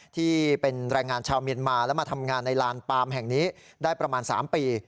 ที่เป็นแรงงานชาวเมียนมาและมาทำงานในลานปามแห่งนี้ได้ประมาณ๓ปี